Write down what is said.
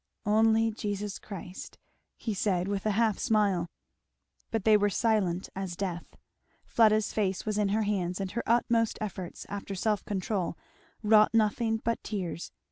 "Only Jesus Christ," he said with a half smile. But they were silent as death. Fleda's face was in her hands and her utmost efforts after self control wrought nothing but tears.